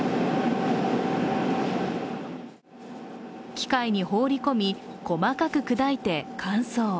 機械に放り込み、細かく砕いて乾燥。